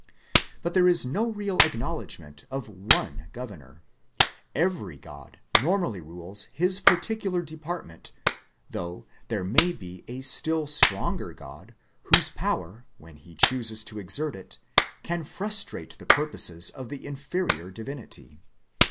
But there is no real acknowledgment of one Governor. Every God normally rules his particular department though there may be a still stronger God whose power when he chooses to exert it can frustrate the purposes of the inferior divinity.